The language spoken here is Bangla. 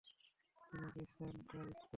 টিনাকে স্যান্ডউইচ দেও।